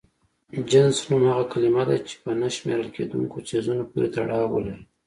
جنس نوم هغه کلمه ده چې په نه شمېرل کيدونکو څيزونو پورې تړاو ولري.